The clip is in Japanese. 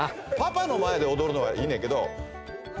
パパの前で踊るのはいいねんけど。